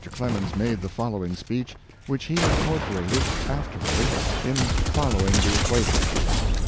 Clemens made the following speech, which he incorporated afterward in Following the Equator.